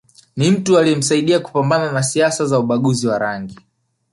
Ni mtu aliyemsaidia kupambana na siasa za ubaguzi wa rangi